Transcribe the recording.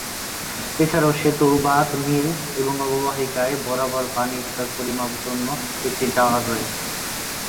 এছাড়াও সেতু, বাঁধ, মিলস, এবং অববাহিকায় বরাবর পানির স্তর পরিমাপ জন্য একটি টাওয়ার রয়েছে।